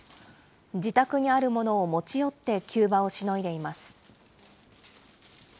自宅にあるものを持ち寄って急場をしのいでいます。